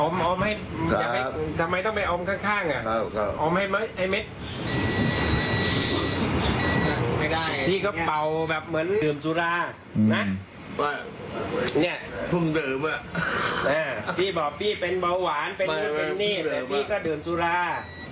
พี่บอกว่าพี่เป็นเบาหวานพี่เป็นนิดพี่ก็เดินสุรา